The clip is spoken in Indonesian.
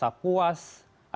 ada rasa kepuasan